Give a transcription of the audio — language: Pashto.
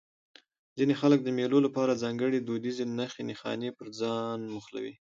ځيني خلک د مېلو له پاره ځانګړي دودیزې نخښي نښانې پر ځان موښلوي.